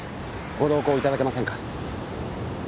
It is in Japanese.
ご同行いただけませんか？